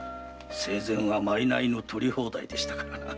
生前は賂の取り放題でしたからな。